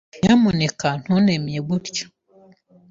Nyamuneka ntuntemye gutya.